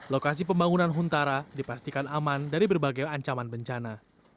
lokasi pembangunan huntara dipastikan aman dari berbagai ancaman bencana